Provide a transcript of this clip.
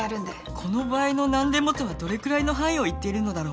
この場合の「何でも」とはどれくらいの範囲を言っているのだろう？